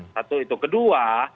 satu itu kedua